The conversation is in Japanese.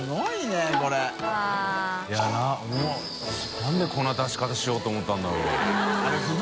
燭こんな出し方しようと思ったんだろう？